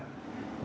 cái tầm cao mới